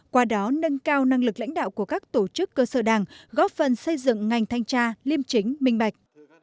qua đó nâng cao năng lực lãnh đạo của các tổ chức cơ sở đảng góp phần xây dựng ngành thanh tra liêm chính minh bạch